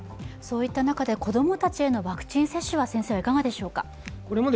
そういった中で子供たちへのワクチン接種はいかがでしょうか？